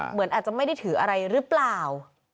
เหมือนอาจจะไม่ได้ถืออะไรหรือเปล่า